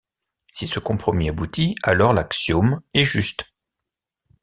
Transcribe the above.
Si ce compromis aboutit, alors l'axiome est juste.